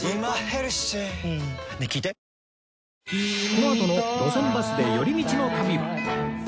このあとの『路線バスで寄り道の旅』は